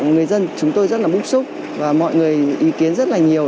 người dân chúng tôi rất là bức xúc và mọi người ý kiến rất là nhiều